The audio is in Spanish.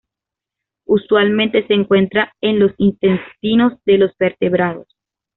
Usualmente se encuentran en los intestinos de los vertebrados.